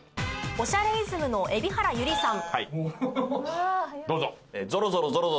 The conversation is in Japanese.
『おしゃれイズム』の蛯原友里さん